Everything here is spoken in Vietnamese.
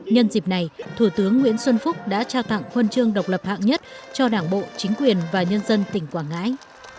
nhân dịp này thủ tướng nguyễn xuân phúc đã trao tặng huân chương độc lập hạng nhất cho đảng bộ chính quyền và nhân dân tỉnh quảng ngãi